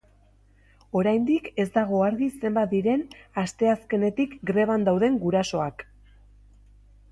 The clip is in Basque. Oraindik ez dago argi zenbat diren asteazkenetik greban dauden gurasoak.